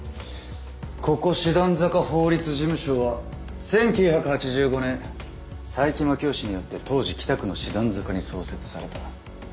ここ師団坂法律事務所は１９８５年佐伯真樹夫氏によって当時北区の師団坂に創設された。